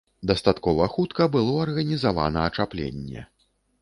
Дастаткова хутка было арганізавана ачапленне.